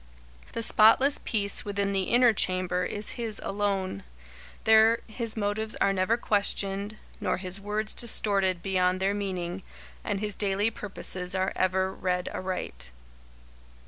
The spotless peace within the inner chamber is his alone. There his motives are never questioned, nor his words distorted beyond their meaning, and his daily purposes are ever read aright.